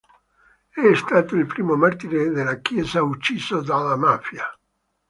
È stato il primo martire della Chiesa ucciso dalla mafia.